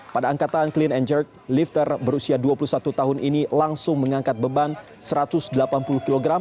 pada angkatan clean and jerk lifter berusia dua puluh satu tahun ini langsung mengangkat beban satu ratus delapan puluh kg